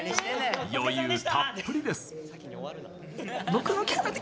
余裕たっぷりです。